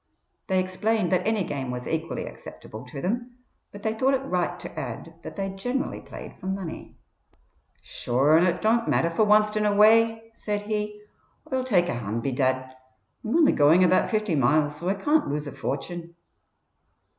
They explained that any game was equally acceptable to them, but they thought it right to add that they generally played for money. "Sure an' it don't matter for wanst in a way," said he "Oi'll take a hand bedad Oi'm only going about fifty miles, so Oi can't lose a fortune."